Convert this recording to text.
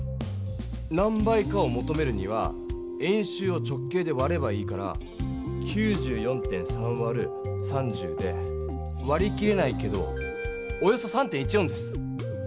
何倍かをもとめるには円周を直径でわればいいから９４．３わる３０でわり切れないけどおよそ３．１４です。